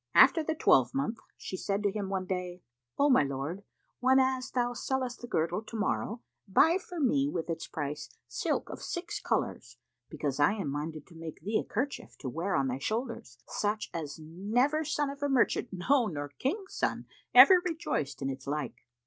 After the twelvemonth she said to him one day, "O my lord, whenas thou sellest the girdle to morrow, buy for me with its price silk of six colours, because I am minded to make thee a kerchief to wear on thy shoulders, such as never son of merchant, no, nor King's son, ever rejoiced in its like."